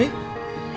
tanah dan air pembali